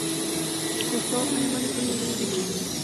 Cursó además estudios de Derecho.